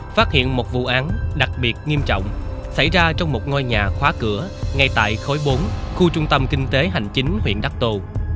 phát hiện một vụ án đặc biệt nghiêm trọng xảy ra trong một ngôi nhà khóa cửa ngay tại khối bốn khu trung tâm kinh tế hành chính huyện đắc tô